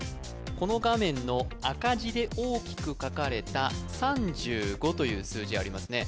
この画面の赤字で大きく書かれた３５という数字ありますね